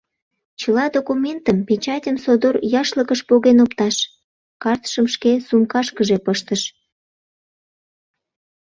— Чыла документым, печатьым содор яшлыкыш поген опташ! — картшым шке сумкашкыже пыштыш.